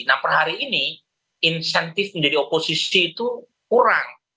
nah per hari ini insentif menjadi oposisi itu kurang